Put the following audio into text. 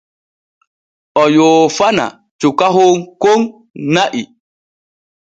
O yoofana cukahon kon na’i.